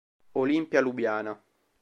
Olimpia Lubiana